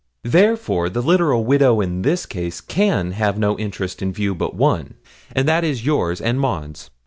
'Therefore the literal widow in this case can have no interest in view but one, and that is yours and Maud's.